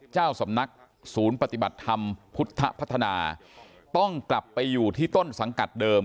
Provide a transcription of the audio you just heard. เจ้าสำนักศูนย์ปฏิบัติธรรมพุทธพัฒนาต้องกลับไปอยู่ที่ต้นสังกัดเดิม